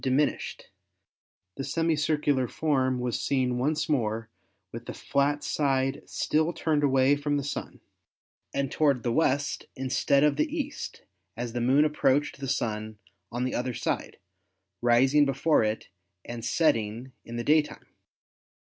diminished; the semi circular form was seen once more with the flat side still turned away from the Sun and to ward the west instead of the east as the Moon approached the Sun on the other side, rising before it and setting in the daytime.